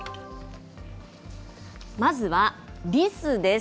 まずはリスです。